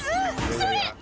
それ！」